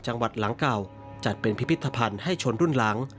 จังหวัดหลังเก่าจัดเป็นพิพิธภัณฑ์ให้ชนรุ่นหลัง